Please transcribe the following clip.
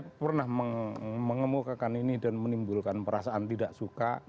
saya pernah mengemukakan ini dan menimbulkan perasaan tidak suka